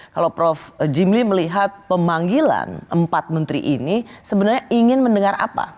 kalau prof jimli melihat pemanggilan empat menteri ini sebenarnya ingin mendengar apa